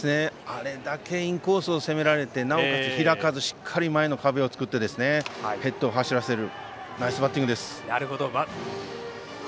あれだけインコースを攻められてなおかつ開かずしっかり前の壁を作ってヘッドを走らせる。